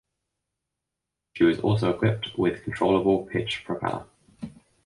She was also equipped with controllable pitch propeller.